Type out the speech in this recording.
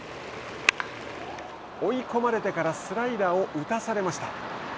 追い込まれてからスライダーを打たされました。